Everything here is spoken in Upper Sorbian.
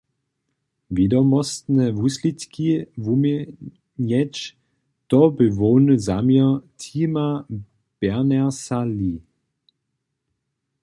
Wědomostne wuslědki wuměnjeć, to bě hłowny zaměr Tima Bernersa-Lee.